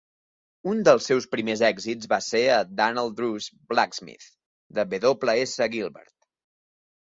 Un dels seus primers èxits va ser a "Dan'l Druce, Blacksmith" de W. S. Gilbert.